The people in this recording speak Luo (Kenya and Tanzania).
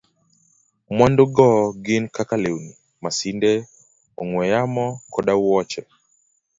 Mwandugo gin kaka lewni, masinde, ong'we yamo, koda wuoche.